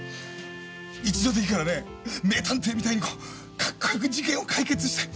一度でいいからね名探偵みたいにこうかっこよく事件を解決したい。